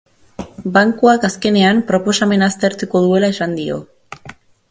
Bankuak azkenean, proposamena aztertuko duela esan dio.